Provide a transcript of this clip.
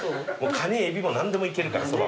カニエビも何でもいけるからそばも。